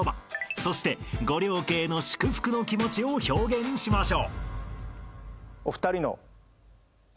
［そしてご両家への祝福の気持ちを表現しましょう］